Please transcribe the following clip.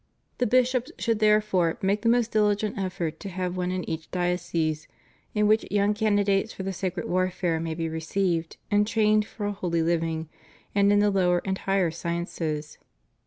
The bishops should therefore make the most diligent effort to have one in each diocese, in which young candidates for the sacred warfare may be received and trained for a holy living and in the lower and higher sciences.